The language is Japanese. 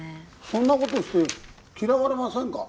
そんなことして嫌われませんか？